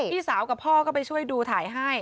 พี่สาวกับพ่อก็ไปช่วยดูถ่ายให้